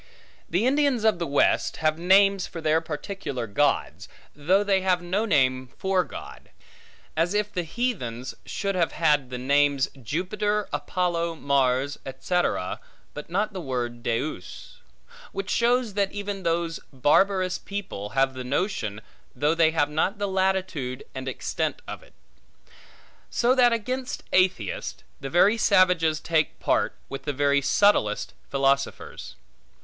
The Indians of the West, have names for their particular gods, though they have no name for God: as if the heathens should have had the names Jupiter, Apollo, Mars, etc., but not the word Deus; which shows that even those barbarous people have the notion, though they have not the latitude and extent of it. So that against atheists, the very savages take part, with the very subtlest philosophers.